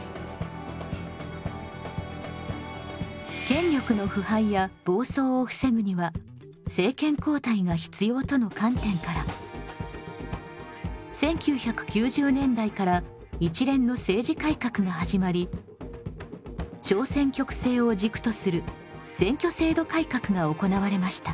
権力の腐敗や暴走を防ぐには政権交代が必要との観点から１９９０年代から一連の政治改革が始まり小選挙区制を軸とする選挙制度改革が行われました。